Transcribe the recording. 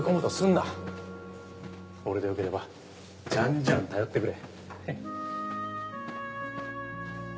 俺でよければじゃんじゃん頼ってくれ。